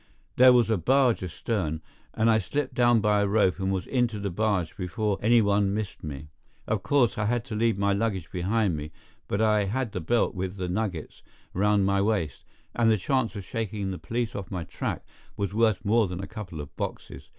There was a barge astern, and I slipped down by a rope and was into the barge before any one missed me. Of course I had to leave my luggage behind me, but I had the belt with the nuggets round my waist, and the chance of shaking the police off my track was worth more than a couple of boxes.